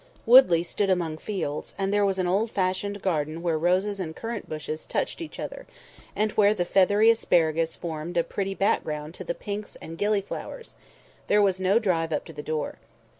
Woodley stood among fields; and there was an old fashioned garden where roses and currant bushes touched each other, and where the feathery asparagus formed a pretty background to the pinks and gilly flowers; there was no drive up to the door.